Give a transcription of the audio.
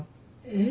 え。